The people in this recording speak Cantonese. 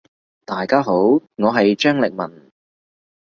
大家好，我係張力文。